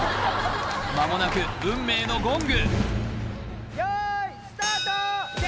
まもなく運命のゴングよいスタート！